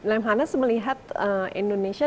lemhanas melihat indonesia